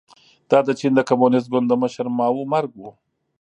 دا د چین د کمونېست ګوند د مشر ماوو مرګ و.